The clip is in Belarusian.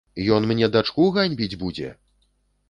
Ён мне дачку ганьбіць будзе?!